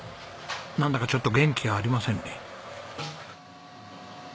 なんだかちょっと元気がありませんね。